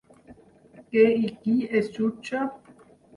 Què i qui es jutja?